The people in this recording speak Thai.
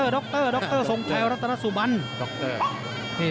ด็อกเตอร์ทรงชัยรัตนสุบันด็อกเตอร์